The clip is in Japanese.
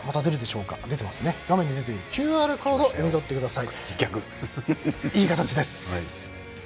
画面に出ているＱＲコードを読み取ってください。